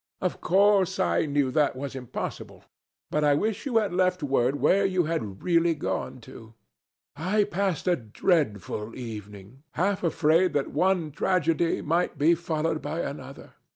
Of course, I knew that was impossible. But I wish you had left word where you had really gone to. I passed a dreadful evening, half afraid that one tragedy might be followed by another.